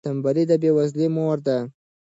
تنبلي د بې وزلۍ مور ده.